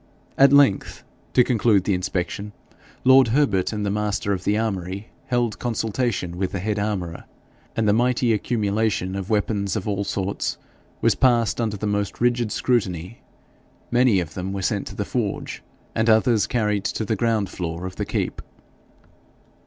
At length, to conclude the inspection, lord Herbert and the master of the armoury held consultation with the head armourer, and the mighty accumulation of weapons of all sorts was passed under the most rigid scrutiny; many of them were sent to the forge, and others carried to the ground floor of the keep.